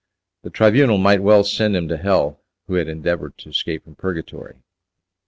The Tribunal might well send him to hell who had endeavoured to escape from purgatory.